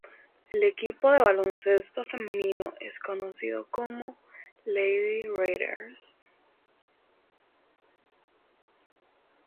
El equipo de baloncesto femenino es conocido como "Lady Raiders".